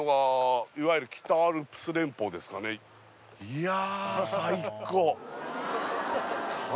いや